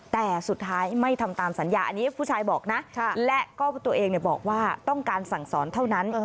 แต่สุดท้ายไม่ทำตามสัญญาอันนี้ผู้ชายบอกนะและก็ตัวเองบอกว่าต้องการสั่งสอนเท่านั้น